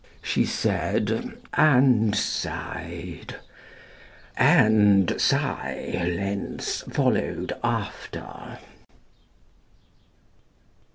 she said, and sighed; And silence followed after.